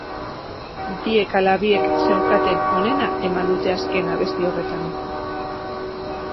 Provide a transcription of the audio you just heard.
Biek ala biek zeukaten onena eman dute azken abesti horretan.